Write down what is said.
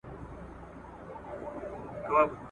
پال ډنبار خپل لومړنی شعر ,